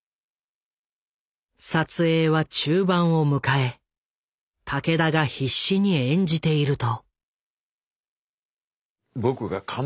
撮影は中盤を迎え武田が必死に演じていると。